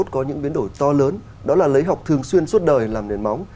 có những biến đổi to lớn đó là lấy học thường xuyên suốt đời làm nền móng